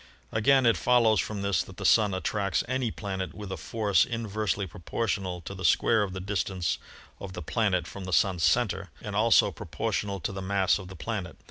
Again it follows from this that the Sun attracts any planet with a force inversely proportional to the square of the distance of the planet from the Sun's center and also proportional to the mass of the planet.